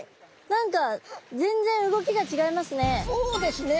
何か全然動きがちがいますね。